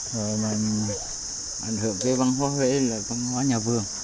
rồi mà ảnh hưởng cái văn hóa huế là văn hóa nhà vườn